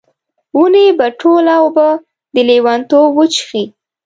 ونې به ټوله اوبه، د لیونتوب وچیښي